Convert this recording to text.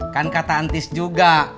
kan kata antis juga